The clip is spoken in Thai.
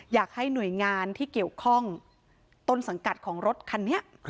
อยากให้หน่วยงานที่เกี่ยวข้องต้นสังกัดของรถคันนี้